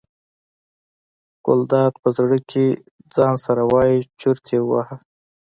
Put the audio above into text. ګلداد په زړه کې ځان سره وایي چورت یې وواهه.